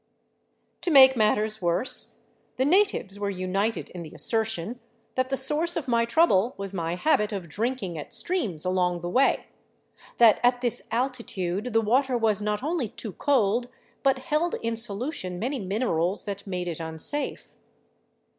To make matters worse, the natives were united in the assertion that the source of my trouble was my habit of drinking at streams along the way ; that at this altitude the water was not only too cold, but held in solution many minerals that made it unsafe.